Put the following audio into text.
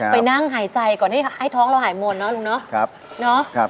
ไปนั่งหายใจก่อนให้ท้องเราหายหมดเนาะลุงเนาะ